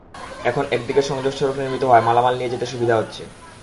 এখন একদিকে সংযোগ সড়ক নির্মিত হওয়ায় মালামাল নিয়ে যেতে সুবিধা হচ্ছে।